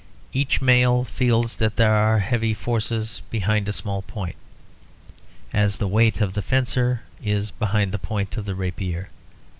Each mail feels that there are heavy forces behind a small point, as the weight of the fencer is behind the point of the rapier.